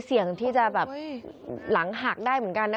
เสี่ยงที่จะแบบหลังหักได้เหมือนกันนะ